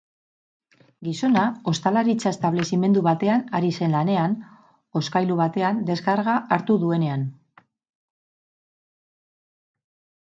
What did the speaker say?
Gizona ostalaritza-establezimendu batean ari zen lanean, hozkailu batean, deskarga hartu duenean.